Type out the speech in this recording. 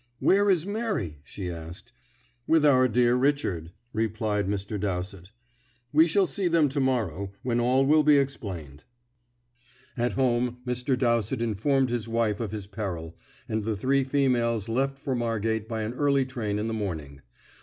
"Where is Mary?" she asked. "With our dear Richard," replied Mr. Dowsett; "we shall see them to morrow, when all will be explained." At home Mr. Dowsett informed his wife of his peril, and the three females left for Margate by an early train in the morning.